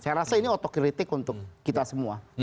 saya rasa ini otokritik untuk kita semua